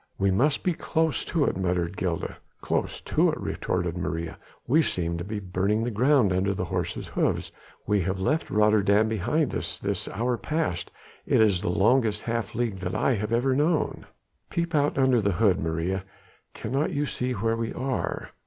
"We must be close to it," murmured Gilda. "Close to it!" retorted Maria, "we seem to be burning the ground under the horses' hoofs we have left Rotterdam behind us this hour past.... It is the longest half league that I have ever known." "Peep out under the hood, Maria. Cannot you see where we are?"